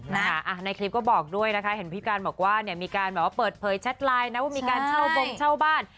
ถ้าในคลิปก็บอกด้วยนะคะเห็นพี่การบอกว่ามีการเปิดเผยชาติไลน์นะว่ามีการเช่าโมงเช่าบ้าน